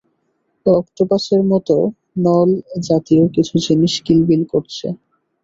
অক্টোপাসের মতো নলজাতীয় কিছু জিনিস কিলবিল করছে।